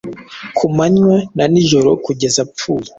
Ku manywa na nijorokugeza apfuye